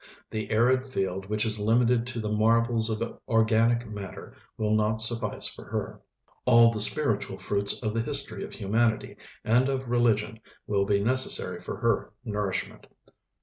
The arid field which is limited to the marvels of organic matter will not suffice for her; all the spiritual fruits of the history of humanity and of religion will be necessary for her nourishment.